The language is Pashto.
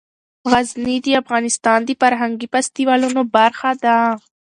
غزني د افغانستان د فرهنګي فستیوالونو برخه ده.